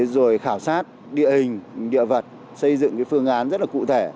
rồi khảo sát địa hình địa vật xây dựng phương án rất là cụ thể